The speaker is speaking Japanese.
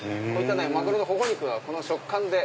マグロの頬肉はこの食感で。